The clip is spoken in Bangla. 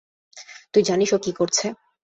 তুই জানিস ও কি করছে?